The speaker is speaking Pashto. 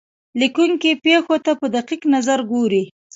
لیکونکی پېښو ته په دقیق نظر ګوري.